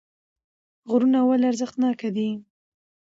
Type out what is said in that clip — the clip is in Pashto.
غرونه ولې ارزښتناکه دي